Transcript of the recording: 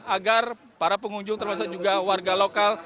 agar para pengunjung termasuk juga warga lokal